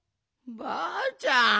ばあちゃん。